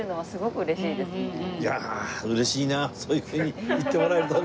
いや嬉しいなそういうふうに言ってもらえるとね。